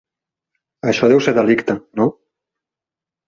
Això deu ser delicte, no?